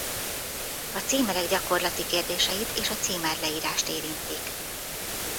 A címerek gyakorlati kérdéseit és a címerleírást érintik.